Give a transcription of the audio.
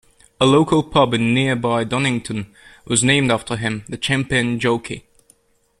A local pub in nearby Donnington, was named after him, "The Champion Jockey".